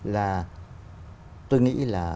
là tôi nghĩ là